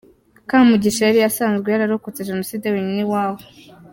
Kamugisha yari asanzwe yararokotse Jenoside wenyine iwabo.